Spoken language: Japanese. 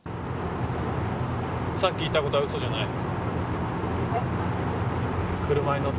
さっき言ったことは嘘じゃない。